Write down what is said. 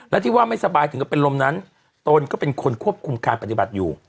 และที่ว่าไม่สบายถึงก็เป็นลมนั้นตนก็เป็นคนควบคุมการปฏิบัติอยู่